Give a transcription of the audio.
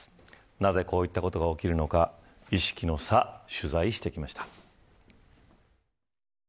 なぜこういったことが起きるのか意識の差を取材してきました。